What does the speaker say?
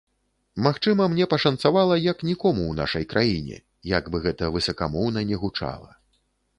Магчыма, мне пашанцавала, як нікому ў нашай краіне, як бы гэта высакамоўна не гучала.